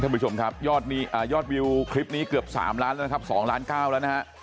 ถ้าผู้ชมครับยอดวิวคลิปนี้เกือบ๓๐๐๐๐๐๐แล้วนะครับ๒๙๐๐๐๐๐แล้วนะฮะ